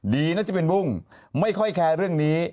ดีนะจะเป็นบุ้งไม่ค่อยแคร์เรื่องนี้